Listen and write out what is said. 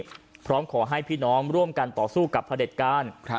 พร้อมขอให้พี่น้องร่วมกันต่อสู้กับพระเด็จการ